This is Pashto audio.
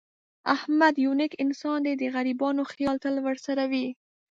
احمد یو نېک انسان دی. د غریبانو خیال تل ورسره وي.